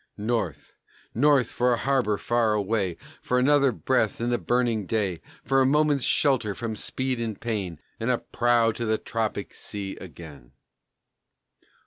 North! North! For a harbor far away, For another breath in the burning day; For a moment's shelter from speed and pain, And a prow to the tropic sea again.